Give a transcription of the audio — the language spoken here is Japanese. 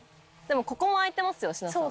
ここも空いてますよ。